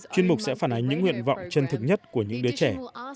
chuyên mục sẽ phản ánh những nguyện vọng chân thực nhất của những đứa trẻ